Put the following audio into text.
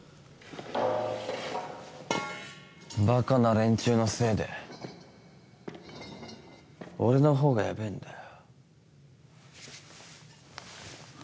バカな連中のせいで俺の方がヤベぇんだよ。